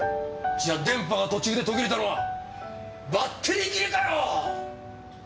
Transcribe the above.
じゃ電波が途中で途切れたのはバッテリー切れかよ！